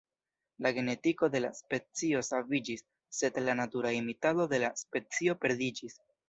La genetiko de la specio saviĝis, sed la natura imitado de la specio perdiĝis.